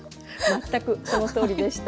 全くそのとおりでしたはい。